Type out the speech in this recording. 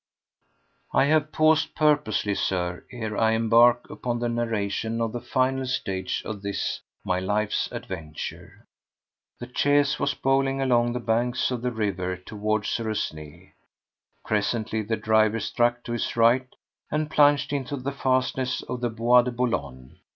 4. I have paused purposely, Sir, ere I embark upon the narration of the final stage of this, my life's adventure. The chaise was bowling along the banks of the river toward Suresnes. Presently the driver struck to his right and plunged into the fastnesses of the Bois de Boulogne.